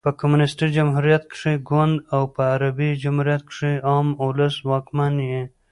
په کمونيسټي جمهوریت کښي ګوند او په عربي جمهوریت کښي عام اولس واکمن يي.